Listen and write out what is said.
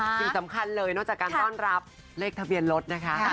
สิ่งสำคัญเลยนอกจากการต้อนรับเลขทะเบียนรถนะคะ